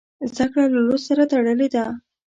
زده کړه له لوست سره تړلې ده.